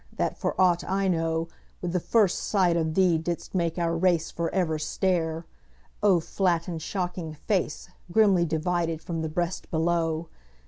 that for aught I know, With the first sight of thee didst make our race For ever stare! O flat and shocking face, Grimly divided from the breast below!